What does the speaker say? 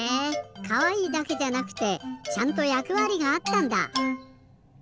かわいいだけじゃなくてちゃんとやくわりがあったんだ！